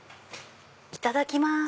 いただきます。